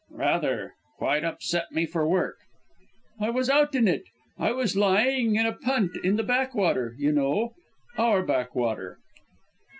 "Rather; quite upset me for work." "I was out in it. I was lying in a punt in the backwater you know, our backwater."